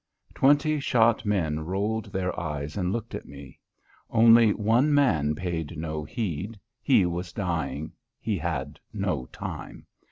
Twenty shot men rolled their eyes and looked at me. Only one man paid no heed. He was dying; he had no time.